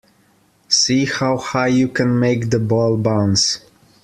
See how high you can make the ball bounce